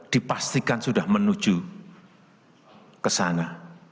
empat puluh dua dipastikan sudah menuju ke sana